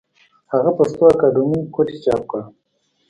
هغه پښتو اکادمي کوټې چاپ کړه